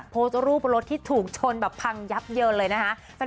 โพสต์รูปรถที่ถูกชนแบบพังยับเยินเลยนะคะ